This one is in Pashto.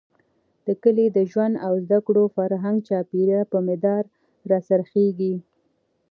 د کلي د ژوند او زده کړو، فرهنګ ،چاپېريال، په مدار را څرخېږي.